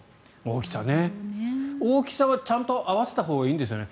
大きさはちゃんと合わせたほうがいいんですよね？